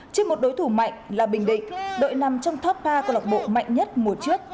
trên một đối thủ mạnh là bình định đội nằm trong top ba công an hà nội mạnh nhất mùa trước